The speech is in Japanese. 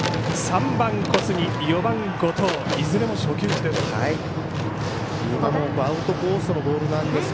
３番、小杉４番、後藤いずれも初球打ちです。